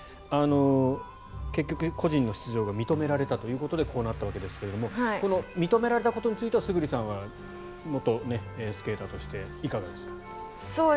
結局、個人の出場が認められたということでこうなったわけですが認められたことについては村主さんは元スケーターとしていかがですか？